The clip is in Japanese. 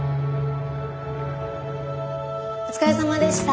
お疲れさまでした。